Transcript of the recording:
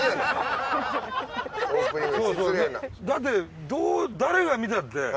だってどう誰が見たって。